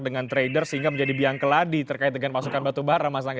dengan trader sehingga menjadi biang keladi terkait dengan pasukan batubara mas angga